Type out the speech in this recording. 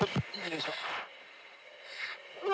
うわ。